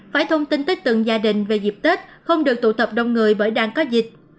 phải thông tin tới từng gia đình về dịp tết không được tụ tập đông người bởi đang có dịch